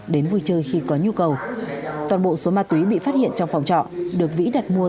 đến vui chơi khi có nhu cầu toàn bộ số ma túy bị phát hiện trong phòng trọ được vĩ đặt mua